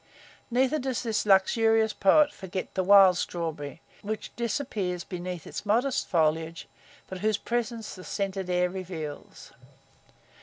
Neither does this luxurious poet forget the wild strawberry, which disappears beneath its modest foliage, but whose presence the scented air reveals.